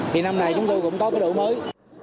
thì năm nay chúng tôi cũng có cái đổi mới